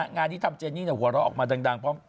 งานที่ทำเจนี่หัวเราะออกมาดังพร้อม